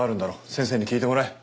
先生に聞いてもらえ。